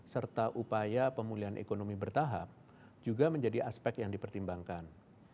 serta upaya pemulihan ekonomi bertahap juga menjadi aspek yang dipertimbangkan